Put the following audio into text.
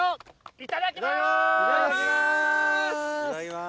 いただきます！